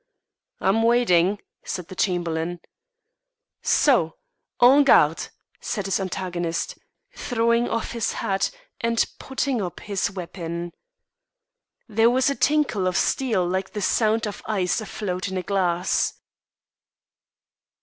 "I'm waiting," said the Chamberlain. "So! en garde!" said his antagonist, throwing off his hat and putting up his weapon. There was a tinkle of steel like the sound of ice afloat in a glass.